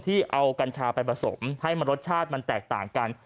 ที่เอากัญชาไปผสมให้มันรสชาติมันแตกต่างกัน